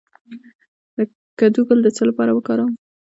د کدو ګل د څه لپاره وکاروم؟